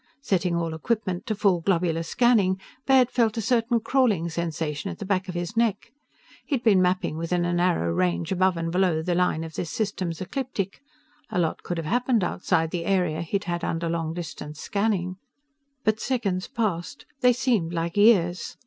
Setting all equipment to full globular scanning, Baird felt a certain crawling sensation at the back of his neck. He'd been mapping within a narrow range above and below the line of this system's ecliptic. A lot could have happened outside the area he'd had under long distance scanning. But seconds passed. They seemed like years.